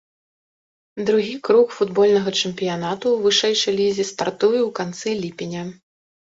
Другі круг футбольнага чэмпіянату ў вышэйшай лізе стартуе ў канцы ліпеня.